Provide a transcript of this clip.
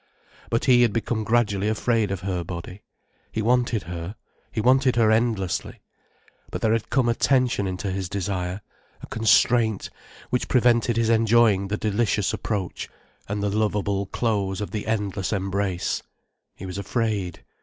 But he had become gradually afraid of her body. He wanted her, he wanted her endlessly. But there had come a tension into his desire, a constraint which prevented his enjoying the delicious approach and the lovable close of the endless embrace. He was afraid.